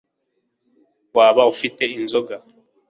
waba ufite inzoga